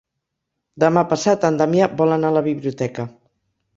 Demà passat en Damià vol anar a la biblioteca.